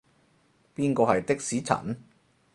邊個係的士陳？